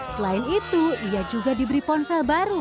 selain itu ia juga diberi ponsel baru